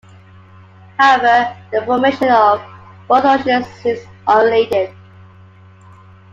However, the formation of both oceans seems unrelated.